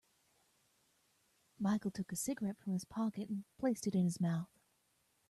Michael took a cigarette from his pocket and placed it in his mouth.